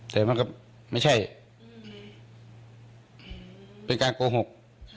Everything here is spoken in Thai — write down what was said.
แต่มันก็ไม่ใช่เป็นการโกหก